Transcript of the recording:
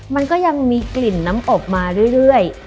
มันก็ยังมีกลิ่นน้ำอบมาเรื่อย